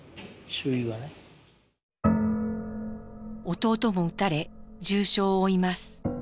弟も撃たれ重傷を負います。